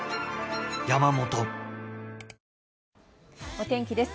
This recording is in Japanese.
お天気です。